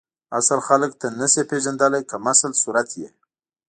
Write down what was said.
اصل خلک ته نسی پیژندلی کمسل صورت یی